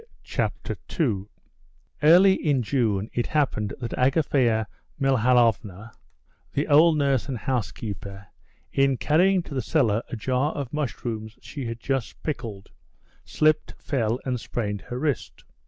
Chapter 2 Early in June it happened that Agafea Mihalovna, the old nurse and housekeeper, in carrying to the cellar a jar of mushrooms she had just pickled, slipped, fell, and sprained her wrist.